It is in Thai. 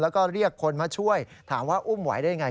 แล้วก็เรียกคนมาช่วยถามว่าอุ้มไหวได้ยังไง